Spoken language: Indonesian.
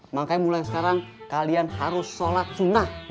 makanya mulai sekarang kalian harus sholat sunnah